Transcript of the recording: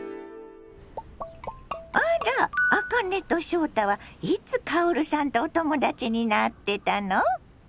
あらあかねと翔太はいつ薫さんとお友達になってたの？